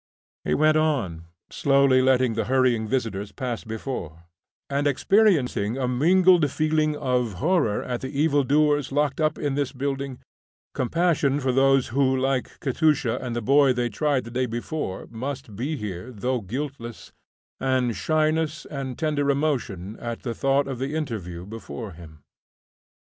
He went on, slowly letting the hurrying visitors pass before, and experiencing a mingled feeling of horror at the evil doers locked up in this building, compassion for those who, like Katusha and the boy they tried the day before, must be here though guiltless, and shyness and tender emotion at the thought of the interview before him.